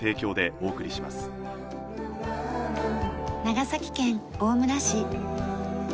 長崎県大村市。